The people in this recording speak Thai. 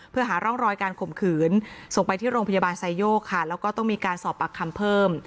เพื่อหาร่องรอยการข่มขืนส่งไปที่โรงพยาบาลไซโยกค่ะแล้วก็ต้องมีการสอบปากคำเพิ่ม